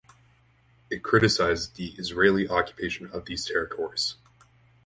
It criticized the Israeli occupation of these territories.